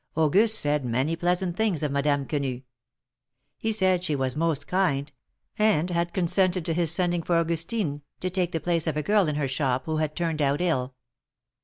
Auguste said many pleasant things of Madame Quenu. He said she was most kind, and had consented to his sending for Augustine, to take the place of a girl in her shop, who had turned out ill.